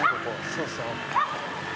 そうそう。